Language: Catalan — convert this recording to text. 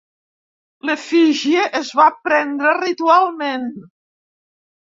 L'efígie es va prendre ritualment.